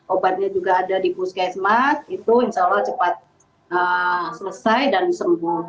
obatnya juga ada di puskesmas itu insya allah cepat selesai dan sembuh